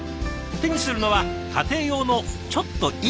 手にするのは家庭用のちょっといい包丁。